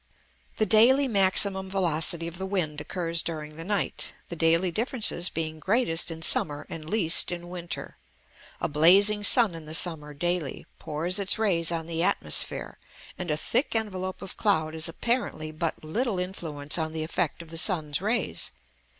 The daily maximum velocity of the wind occurs during the night, the daily differences being greatest in summer and least in winter. A blazing sun in the summer daily pours its rays on the atmosphere, and a thick envelope of cloud has apparently but little influence on the effect of the sun's rays.